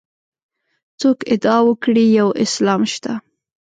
څوک ادعا وکړي یو اسلام شته.